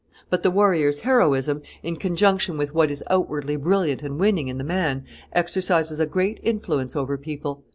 But the warrior's heroism, in conjunction with what is outwardly brilliant and winning in the man, exercises a great influence over people.